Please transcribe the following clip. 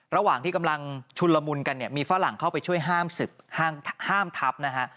ระหว่างที่กำลังชุนละมุนกันเนี่ยมีฝรั่งเข้าไปช่วยห้ามศึกห้ามทับนะฮะ